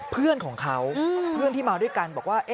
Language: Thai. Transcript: เพื่อนของเขาเพื่อนที่มาด้วยกันบอกว่า